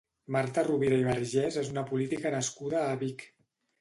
Marta Rovira i Vergés és una política nascuda a Vic.